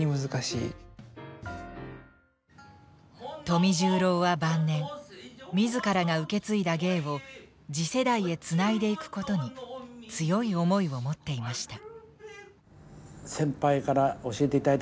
富十郎は晩年自らが受け継いだ芸を次世代へつないでいくことに強い思いを持っていました。